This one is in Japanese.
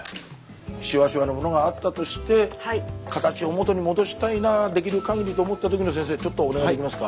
しわしわのものがあったとして「形を元に戻したいなできるかぎり」と思ったときの先生お願いできますか。